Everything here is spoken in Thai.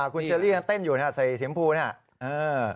คุณเจรี่ยังเต้นอยู่นะครับใส่เสียงภูนะครับ